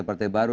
ada partai baru